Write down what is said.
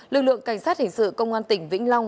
lực lượng cảnh sát hình sự công an tỉnh vĩnh long